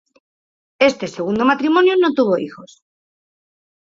Este segundo matrimonio no tuvo hijos.